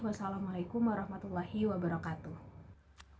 wassalamualaikum warahmatullahi wabarakatuh